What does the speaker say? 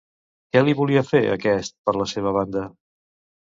Què li volia fer, aquest, per la seva banda?